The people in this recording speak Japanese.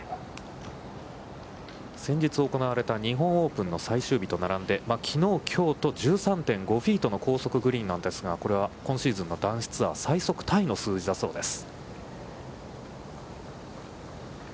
先日行われた日本オープンの最終日と並んで、きのう、きょうと１３．５フィートの高速グリーンなんですが、これは今シーズンの男子ツアー、最速タイの数字だそうです。